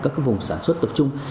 các vùng sản xuất tập trung